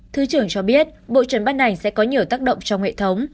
thứ trưởng cho biết bộ chuẩn bắt nành sẽ có nhiều tác động trong hệ thống